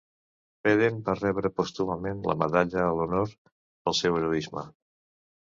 Peden va rebre pòstumament la Medalla a l'Honor pel seu heroisme.